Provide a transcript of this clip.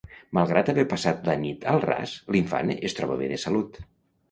Malgrat haver passat la nit al ras, l'infant es troba bé de salut.